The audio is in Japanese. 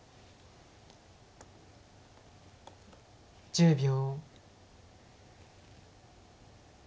１０秒。